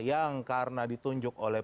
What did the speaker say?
yang karena ditunjuk oleh